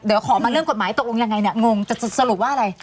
เดี๋ยวขอมาเรื่องกฎหมายตกลงยังไงเนี่ยงงแต่จะสรุปว่าอะไร